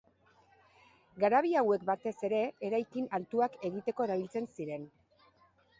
Garabi hauek batez ere eraikin altuak egiteko erabiltzen ziren.